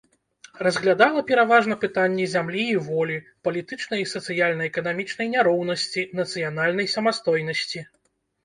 Разглядала пераважна пытанні зямлі і волі, палітычнай і сацыяльна-эканамічнай няроўнасці, нацыянальнай самастойнасці.